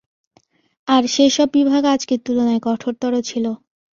আর সে-সব বিভাগ আজকের তুলনায় কঠোরতর ছিল।